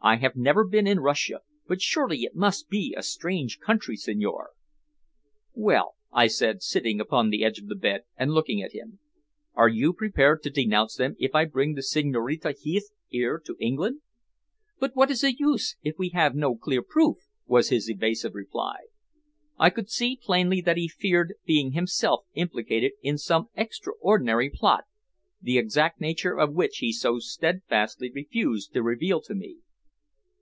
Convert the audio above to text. I have never been in Russia, but surely it must be a strange country, signore!" "Well," I said, sitting upon the edge of the bed and looking at him. "Are you prepared to denounce them if I bring the Signorina Heath here, to England?" "But what is the use, if we have no clear proof?" was his evasive reply. I could see plainly that he feared being himself implicated in some extraordinary plot, the exact nature of which he so steadfastly refused to reveal to me.